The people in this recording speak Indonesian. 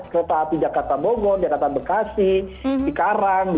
kereta api jakarta bogor jakarta bekasi di karang